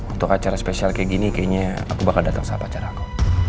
untuk acara spesial kayak gini kayaknya aku bakal datang saat acaraku